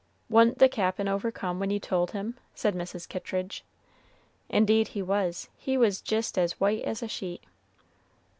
'" "Wa'n't the Cap'n overcome when you told him?" said Mrs. Kittridge. "Indeed he was; he was jist as white as a sheet."